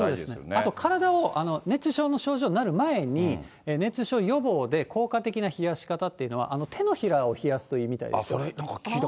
あと、体を、熱中症の症状になる前に、熱中症予防で、効果的な冷やし方というのは、手のひらを冷やすといいみたいですよ。